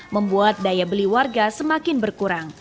membuat daya beli warga semakin berkurang